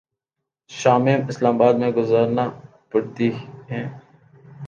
شامیں Islamabad میں گزارنا پڑتی ہیں۔